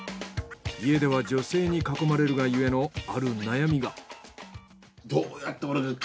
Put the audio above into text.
家では女性に囲まれるがゆえのある悩みが。